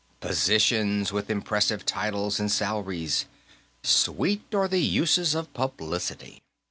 Positions, with impressive titles and salaries. Sweet are the uses of publicity.